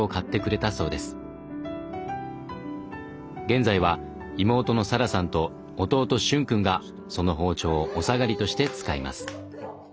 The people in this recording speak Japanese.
現在は妹の咲来さんと弟瞬くんがその包丁をお下がりとして使います。